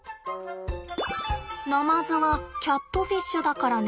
ナマズはキャットフィッシュだからね。